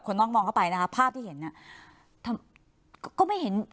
นอกมองเข้าไปนะคะภาพที่เห็นเนี่ยก็ไม่เห็น